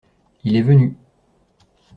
Il est venu.